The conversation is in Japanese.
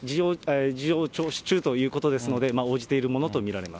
事情聴取中ということですので、応じているものと見られます。